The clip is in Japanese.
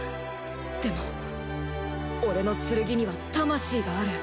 でも俺の剣には魂がある。